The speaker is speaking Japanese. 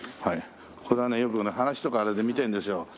これはねよく話とかあれで見てるんですよ。